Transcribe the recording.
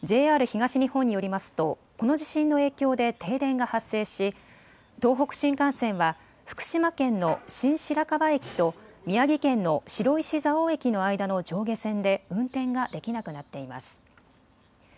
ＪＲ東日本によりますとこの地震の影響で停電が発生し東北新幹線は福島県の新白河駅と宮城県の白石蔵王駅の間の上下線で運転ができなくなっています。